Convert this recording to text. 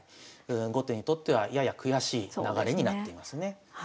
後手にとってはやや悔しい流れになっていますね。